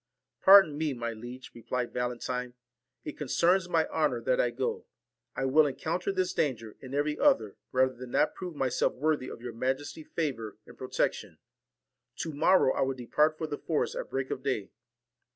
' Pardon me, my liege,' replied Valentine ; 'it con cerns my honour that I go. I will encounter this danger, and every other, rather than not prove myself worthy of your majesty's favour and pro tection. To morrow I will depart for the forest at break of day.'